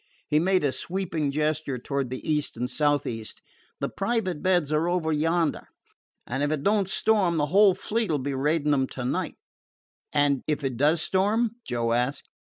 He made a sweeping gesture toward the east and southeast. "The private beds are over yonder, and if it don't storm the whole fleet 'll be raidin' 'em to night." "And if it does storm?" Joe asked.